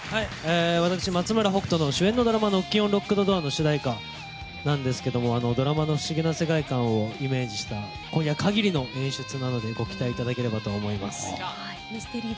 私、松村北斗の主演ドラマ「ノッキンオン・ロックドドア」の主題歌なんですがドラマの不思議な世界観をイメージした今夜限りの演出なのでご期待いただければと思います。